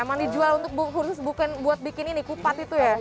emang dijual untuk khusus bukan buat bikin ini kupat itu ya